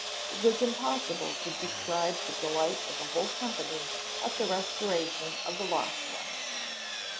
It was impossible to describe the delight of the whole company at the restoration of the lost one.